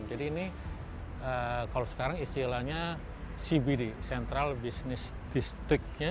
jadi ini kalau sekarang istilahnya cbd central business district nya